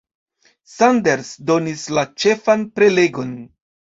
Sanders donis la ĉefan prelegon.